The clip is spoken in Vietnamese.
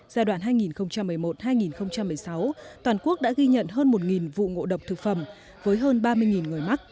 giai đoạn hai nghìn một mươi một hai nghìn một mươi sáu toàn quốc đã ghi nhận hơn một vụ ngộ độc thực phẩm